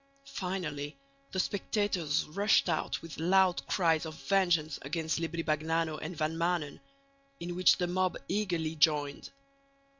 Finally the spectators rushed out with loud cries of vengeance against Libri Bagnano and Van Maanen, in which the mob eagerly joined.